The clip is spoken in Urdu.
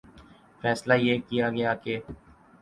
فیصلہ یہ کیا گیا کہ